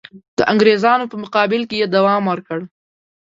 د انګرېزانو په مقابل کې یې دوام ورکړ.